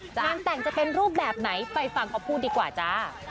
งานแต่งจะเป็นรูปแบบไหนไปฟังเขาพูดดีกว่าจ้า